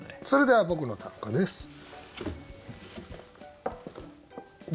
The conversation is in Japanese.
それでは僕の短歌です。